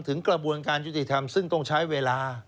กระบวนการยุติธรรมซึ่งต้องใช้เวลา